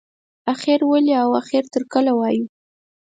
اخر ولې او اخر تر کله وایو.